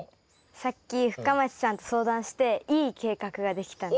さっき深町さんと相談していい計画ができたんです。